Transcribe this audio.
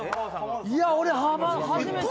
いや俺初めて。